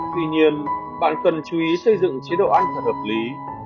tuy nhiên bạn cần chú ý xây dựng chế độ ăn thật hợp lý